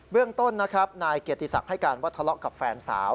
เรื่องต้นนะครับนายเกียรติศักดิ์ให้การว่าทะเลาะกับแฟนสาว